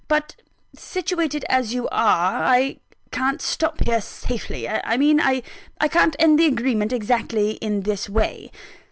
But, situated as you are, I can't stop here safely I mean, I can't end the agreement exactly in this way."